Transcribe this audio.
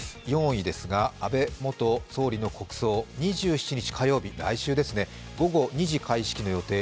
４位、安倍元総理の国葬、２７日火曜日、来週、午後２時開式の予定。